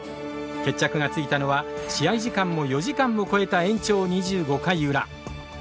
決着がついたのは、試合時間も４時間を越えた延長２５回裏。